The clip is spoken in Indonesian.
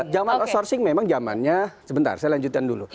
jaman outsourcing memang jamannya sebentar saya lanjutkan dulu